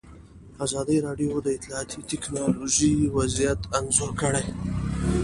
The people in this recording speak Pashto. ازادي راډیو د اطلاعاتی تکنالوژي وضعیت انځور کړی.